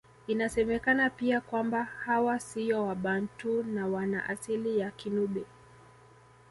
Inasemekana pia kwamba hawa siyo Wabantu na wana asili ya Kinubi